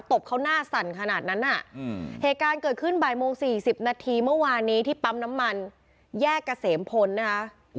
ตบเขาหน้าสั่นขนาดนั้นน่ะเหตุการณ์เกิดขึ้นบ่ายโมง๔๐นาทีเมื่อวานนี้ที่ปั๊มน้ำมันแยกเกษมพลนะคะ